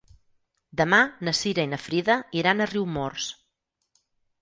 Demà na Cira i na Frida iran a Riumors.